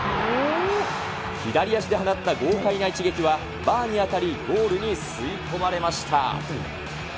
左足で放った豪快な一撃は、バーに当たり、ゴールに吸い込まれました。